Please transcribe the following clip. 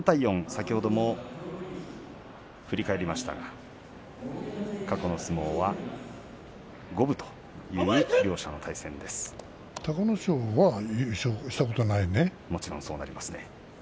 先ほども振り返りましたが過去の相撲は隆の勝は優勝したこともちろん、そうですね。